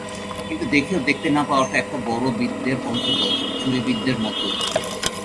কিন্তু দেখেও দেখতে না পাওয়াটা একটা বড়ো বিদ্যের অন্তর্গত, চুরিবিদ্যের মতোই।